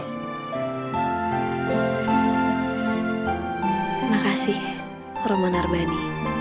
terima kasih roman arbeni